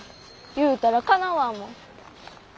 言うたらかなわんもん。